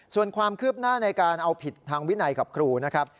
ส่วนความคืบหน้าในการเอาผิดทางวินัยกับครูนะครับ